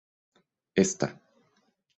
esta